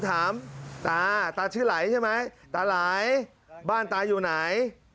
ถามตาตาชื่อไหลใช่ไหมตาไหลบ้านตาอยู่ไหน